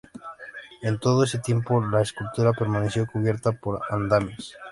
En todo ese tiempo la escultura permaneció cubierta por andamios.